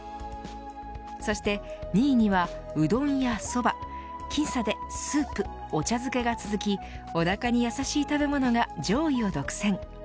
そして２位にはうどんやそば僅差で、スープお茶漬けが続きおなかに優しい食べ物が上位を独占。